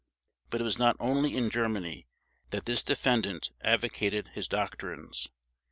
But it was not only in Germany that this defendant advocated his doctrines.